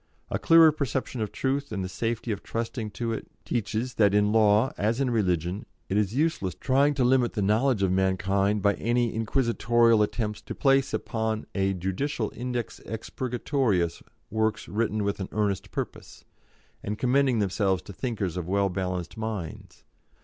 A clearer perception of truth and the safety of trusting to it teaches that in law, as in religion, it is useless trying to limit the knowledge of mankind by any inquisitorial attempts to place upon a judicial Index Expurgatorius works written with an earnest purpose, and commending themselves to thinkers of well balanced minds.